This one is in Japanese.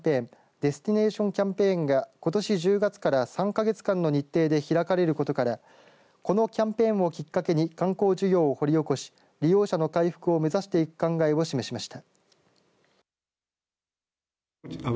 デスティネーションキャンペーンがことし１０月から３か月間の日程で開かれることからこのキャンペーンをきっかけに観光需要を掘り起こし利用者の回復を目指していく考えを示しました。